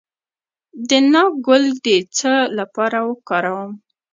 د ناک ګل د څه لپاره وکاروم؟